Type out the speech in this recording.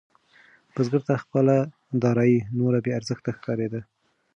بزګر ته خپله دارايي نوره بې ارزښته ښکارېده.